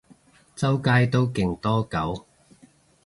周街都勁多狗